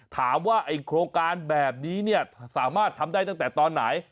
ถามว่าไอ้โครงการแบบนี้เนี่ยสามารถทำได้ตั้งแต่ตอนไหน